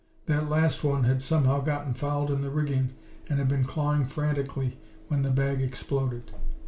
That last one had somehow gotten fouled in the rigging and had been clawing frantically when the bag exploded.